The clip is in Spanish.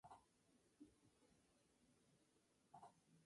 Tras el bombardeo von Mercy dirigió su infantería contra la derecha francesa.